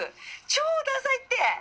超ダサいって！